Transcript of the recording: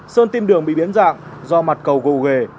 sơn kim đường bị biến dạng do mặt cầu gồ ghề